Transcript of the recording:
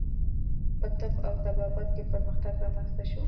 په طب او طبابت کې پرمختګ رامنځته شو.